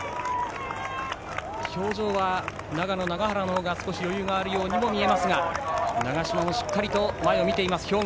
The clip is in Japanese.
表情は長野の永原の方が余裕があるように見えますが兵庫の長嶋もしっかり前を見ている。